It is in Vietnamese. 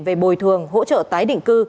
về bồi thường hỗ trợ tái định cư